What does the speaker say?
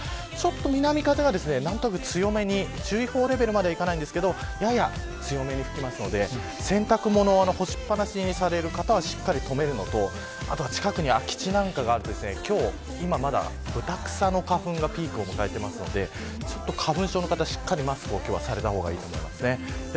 南風が強めに注意報レベルまではいきませんが強めに吹きますので洗濯物を干しっぱなしにされる方はしっかり取り込むのと近くに空き地なんかがあると今日、今まだブタクサの花粉がピークを迎えていますので花粉症の方しっかりマスクをされたほうがいいと思います。